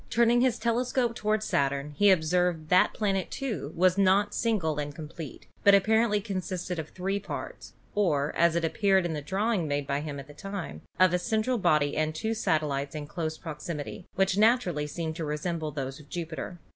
Turning his telescope toward Saturn he observed that that planet, too, was not single and complete, but appar ently consisted of three parts, or, as it appeared in a draw ing made at the time by him, of a central body and two satellites in close proximity, which naturally seemed to resemble those of Jupiter.